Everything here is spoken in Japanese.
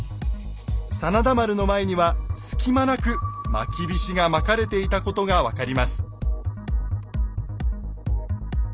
真田丸の前には隙間なくまきびしがまかれていたことが分かります。